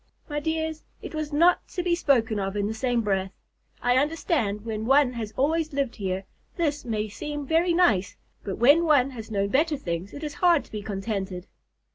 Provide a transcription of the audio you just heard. My dears, it was not to be spoken of in the same breath. I understand that when one has always lived here, this may seem very nice, but when one has known better things, it is hard to be contented."